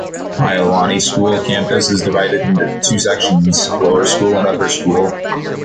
Iolani School's campus is divided into two sections: Lower School and Upper School.